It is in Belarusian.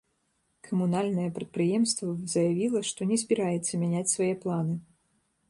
Камунальнае прадпрыемства заявіла, што не збіраецца мяняць свае планы.